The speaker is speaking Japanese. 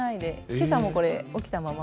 今朝もこれ起きたまま。